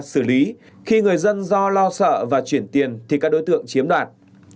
xử lý khi người dân do lo sợ và chuyển tiền thì các đối tượng chiếm đoạt